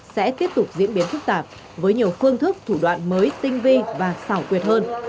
sẽ tiếp tục diễn biến phức tạp với nhiều phương thức thủ đoạn mới tinh vi và xảo quyệt hơn